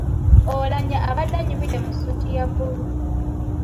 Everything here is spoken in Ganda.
Oulanyah abadde anyumidde mu ssuuti ya bbulu.